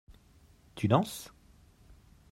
Tu danses ?